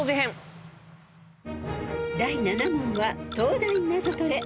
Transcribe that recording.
［第７問は東大ナゾトレ］